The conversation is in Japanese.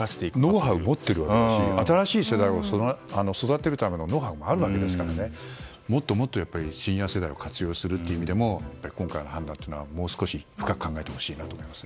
ノウハウを持っている人たち新しい世代を育てるためのノウハウもあるわけですからもっともっとシニア世代を活用するという意味でも今回の判断というのはもう少し深く考えてほしいと思います。